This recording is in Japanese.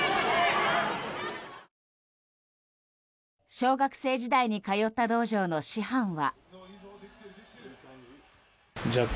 小学生時代に通った道場の師範は。